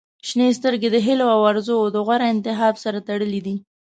• شنې سترګې د هیلو او آرزووو د غوره انتخاب سره تړلې دي.